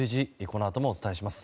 このあともお伝えします。